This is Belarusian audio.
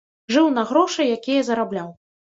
Жыў на грошы, якія зарабляў.